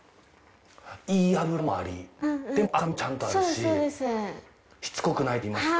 いい脂もありでも赤身もちゃんとあるししつこくないといいますか。